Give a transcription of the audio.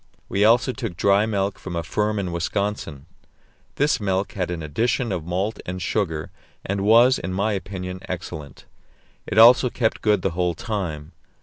We also took dried milk from a firm in Wisconsin; this milk had an addition of malt and sugar, and was, in my opinion, excellent; it also kept good the whole time.